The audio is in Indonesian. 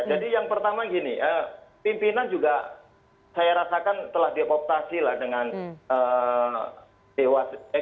jadi yang pertama gini pimpinan juga saya rasakan telah dioptasi lah dengan dewas